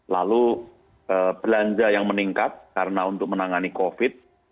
lalu belanja yang meningkat karena untuk menangani covid